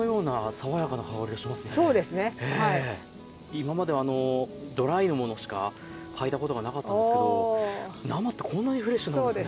今までドライのものしか嗅いだことがなかったんですけど生ってこんなにフレッシュなんですね。